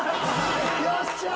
よっしゃー！